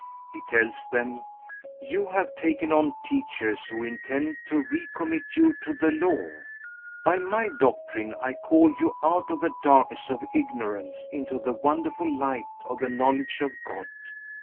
He tells them: "You have taken on teachers who intend to recommit you to the Law. By my doctrine I called you out of the darkness of ignorance into the wonderful light of the knowledge of God.